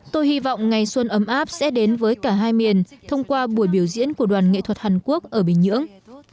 tôi hy vọng ngày xuân ấm áp sẽ đến với cả hai miền thông qua buổi biểu diễn của đoàn nghệ thuật hàn quốc ở bình nhưỡng